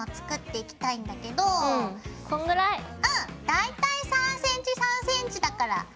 大体３ｃｍ３ｃｍだから。